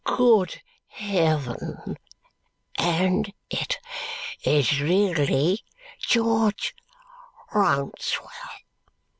"Good heaven, and it is really George Rouncewell!"